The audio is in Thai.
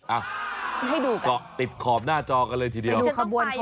อ่าให้ดูกันก็ติดขอบหน้าจอกันเลยทีเดียวเราดูขบวนเขาก่อน